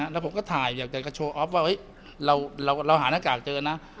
แล้วผมก็ถ่ายอยากจะโชว์ออฟว่าเราหาหน้ากากเจอนะ